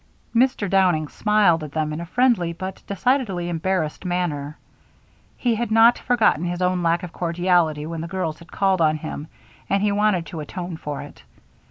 Mr. Downing smiled at them in a friendly but decidedly embarrassed manner. He had not forgotten his own lack of cordiality when the girls had called on him, and he wanted to atone for it.